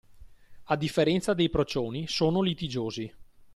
A differenza dei procioni, sono litigiosi.